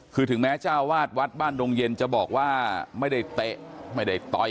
คือถึงแม้เจ้าวาดวัดบ้านดงเย็นจะบอกว่าไม่ได้เตะไม่ได้ต่อย